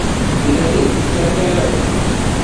এটাকে stamp camera বলে।